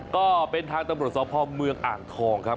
ก็เป็นทางตำรวจสพเมืองอ่างทองครับ